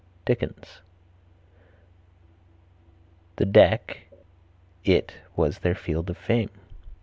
Dickens. "The deck (it) was their field of fame."